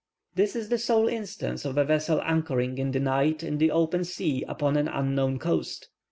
This is the sole instance of a vessel anchoring in the night in the open sea upon an unknown coast.